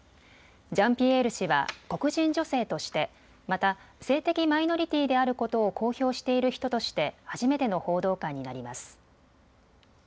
ジャンピエール氏は黒人女性として、また性的マイノリティーであることを公表している人として初めての報道官になります。